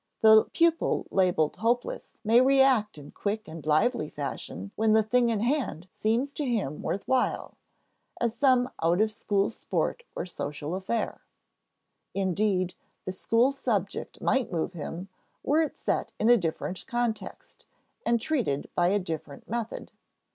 The pupil labeled hopeless may react in quick and lively fashion when the thing in hand seems to him worth while, as some out of school sport or social affair. Indeed, the school subject might move him, were it set in a different context and treated by a different method.